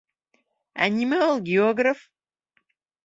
Ә нимә ул географ?